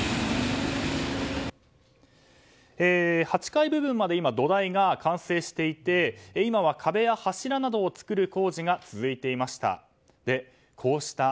８階部分まで土台が完成していて今は壁や柱などを作る工事が続いていました。